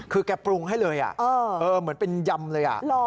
คือแกปรุงให้เลยเหมือนเป็นยำเลย